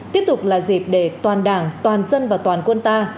tiếp tục là dịp để toàn đảng toàn dân và toàn quân ta